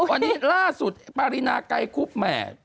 วันนี้ล่าสุดปรินาไกรคุบแหม